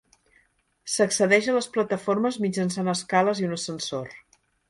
S'accedeix a les plataformes mitjançant escales i un ascensor.